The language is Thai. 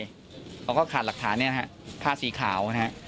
เขาก็ขาดหลักฐานเนี่ยนะฮะผ้าสีขาวนะฮะ